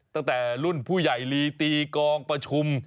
ตั้งแต่รุ่นผู้ใหญ่ลีตีกองประชุม